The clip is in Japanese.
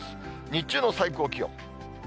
日中の最高気温。